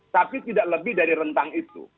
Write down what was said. tapi setidaknya ada datang